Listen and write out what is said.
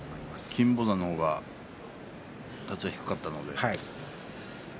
金峰山の方は立ち合い低かったので。